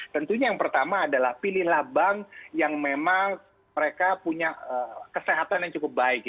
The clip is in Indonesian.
tentunya yang pertama adalah pilihlah bank yang memang mereka punya kesehatan yang cukup baik